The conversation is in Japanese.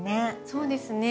そうですね。